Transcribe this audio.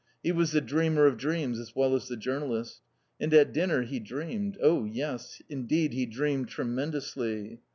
He was the dreamer of dreams as well as the journalist. And at dinner he dreamed Oh, yes, indeed, he dreamed tremendously.